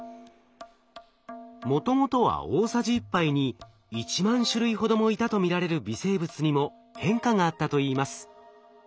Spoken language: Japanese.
もともとは大さじ１杯に１万種類ほどもいたと見られる微生物にも変化があったといいます。